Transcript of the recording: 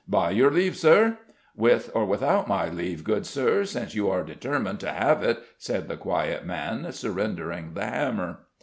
"By your leave, Sir!" "With or without my leave, good Sir, since you are determined to have it," said the quiet man, surrendering the hammer.